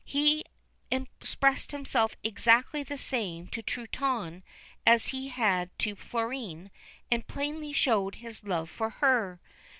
He expressed himself exactly the same to Truitonne as he had to Florine and plainly showed his love for her.